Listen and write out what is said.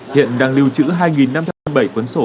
hiện đang lưu trữ hai năm trăm ba mươi bảy quấn sổ